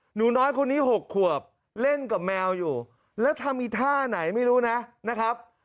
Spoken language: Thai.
หนูน้อยคนนี้๖ขวบเล่นกับแมวอยู่แล้วทำอีกท่าไหนไม่รู้นะนะครับ